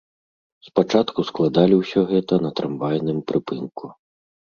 Спачатку складалі ўсё гэта на трамвайным прыпынку.